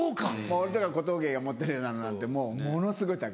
俺とか小峠が持ってるようなのなんてもうものすごい高い。